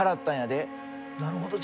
なるほど。